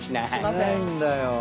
しないんだよ。